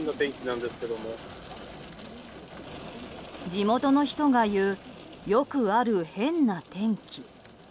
地元の人が言うよくある変な天気。